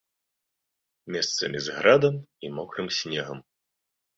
Месцамі з градам і мокрым снегам.